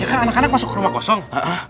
kan anak anak masuk ke rumah kosong